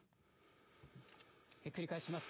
繰り返します。